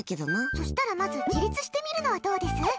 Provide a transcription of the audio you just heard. そしたら、まず自立してみるのはどうです？